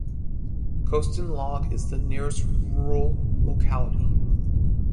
Kostin Log is the nearest rural locality.